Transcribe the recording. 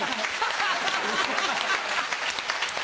ハハハハ！